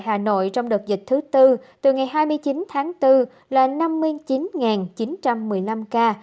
hà nội trong đợt dịch thứ tư từ ngày hai mươi chín tháng bốn là năm mươi chín chín trăm một mươi năm ca